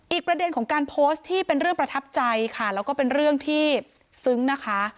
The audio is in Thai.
ประเด็นของการโพสต์ที่เป็นเรื่องประทับใจค่ะแล้วก็เป็นเรื่องที่ซึ้งนะคะ